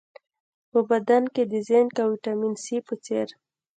په بدن کې د زېنک او ویټامین سي په څېر